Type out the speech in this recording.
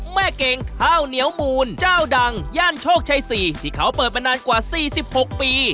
แม่เกงข้าวเหนียวมูลเจ้าดังย่านโชคชัยสี่ที่เขาเปิดไปนานกว่าสี่สิบหกปี